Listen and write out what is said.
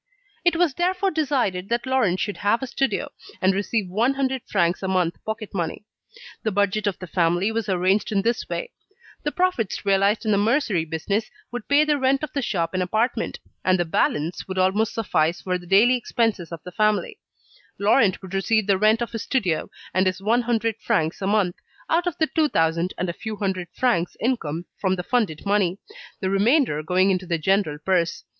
It was therefore decided that Laurent should have a studio, and receive one hundred francs a month pocket money. The budget of the family was arranged in this way: the profits realised in the mercery business would pay the rent of the shop and apartment, and the balance would almost suffice for the daily expenses of the family; Laurent would receive the rent of his studio and his one hundred francs a month, out of the two thousand and a few hundred francs income from the funded money, the remainder going into the general purse.